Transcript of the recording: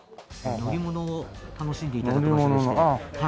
乗り物を楽しんで頂く場所でして。